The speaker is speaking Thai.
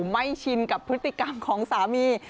ชินกับพฤติกรรมของสามี